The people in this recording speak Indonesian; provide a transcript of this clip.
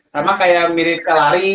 sama kayak mirip kelari